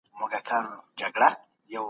پښتو ژبه زموږ د پښتني غرور او میړانې نښه ده